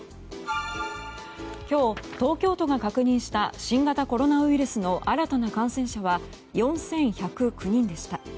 今日、東京都が確認した新型コロナウイルスの新たな感染者は４１０９人でした。